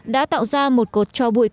đã tạo ra một cột trò bụi lớn